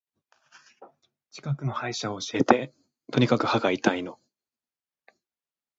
近くの歯医者教えて。とにかく歯が痛いの。